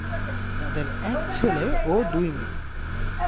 তাদের এক ছেলে ও দুই মেয়ে।